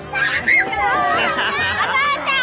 お父ちゃん！